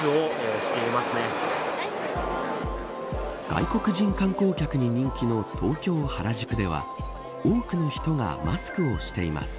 外国人観光客に人気の東京、原宿では多くの人がマスクをしています。